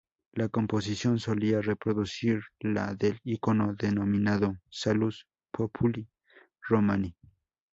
La composición solía reproducir la del icono denominado "Salus Populi Romani".